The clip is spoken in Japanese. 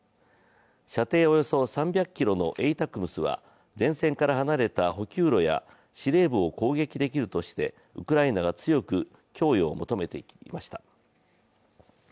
射程およそ３００ｋｍのＡＴＡＣＭＳは前線から離れた補給路や司令部を攻撃できるとしてウクライナが強く供与を求めていました。